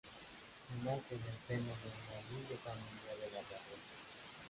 Nace en el seno de una humilde familia de labradores.